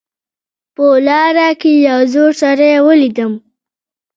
په لاره کې یو زوړ سړی ولیدم